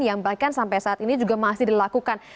yang bahkan sampai saat ini juga masih dilakukan